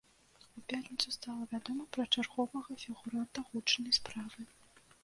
У пятніцу стала вядома пра чарговага фігуранта гучнай справы.